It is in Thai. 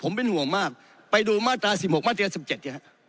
ผมเป็นห่วงมากไปดูมาตราสิบหกมาตราสิบเจ็ดนะครับ